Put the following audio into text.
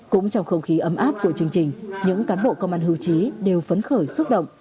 cũng trong không khí ấm áp của chương trình những cán bộ công an hưu trí đều phấn khởi xúc động